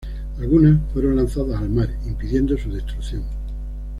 Algunas fueron lanzadas al mar, impidiendo su destrucción.